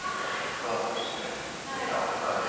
さぁそして絶対当てたいね。